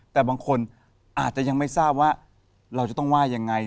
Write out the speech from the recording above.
แต่บางคนอาจจะยังไม่ทราบว่าเราจะต้องว่ายังไง